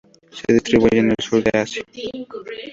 Se distribuyen por el sur de Asia.